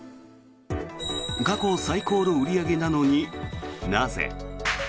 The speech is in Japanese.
過去最高の売り上げなのになぜ？